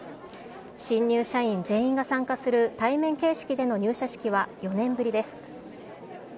新入社員全員が参加する対面形式での入社式は４年ぶりです。